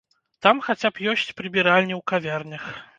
Там хаця б ёсць прыбіральні ў кавярнях!